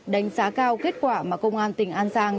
đánh giá cao kết quả mà công an tỉnh an giang